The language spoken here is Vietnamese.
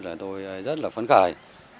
là tôi rất là phấn khởi